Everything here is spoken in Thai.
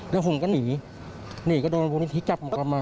แล้วผมก็หนีหนีก็โดนพวกนี้ที่จับกลับมา